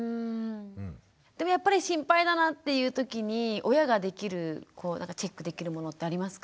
でもやっぱり心配だなっていうときに親ができる何かチェックできるものってありますか？